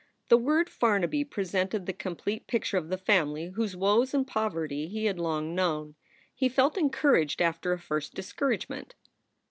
The word Farnaby pre sented the complete picture of the family whose woes and poverty he had long known. He felt encouraged after a first discouragement.